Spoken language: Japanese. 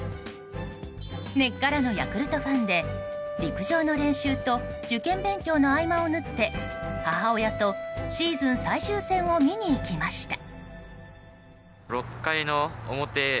根っからのヤクルトファンで陸上の練習と受験勉強の合間を縫って母親とシーズン最終戦を見に行きました。